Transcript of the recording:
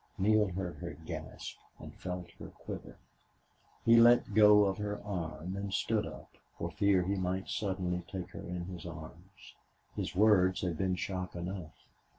Neale heard her gasp and felt her quiver. He let go of her and stood up, for fear he might suddenly take her in his arms. His words had been shock enough.